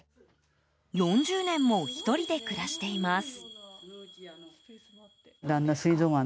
４０年も１人で暮らしています。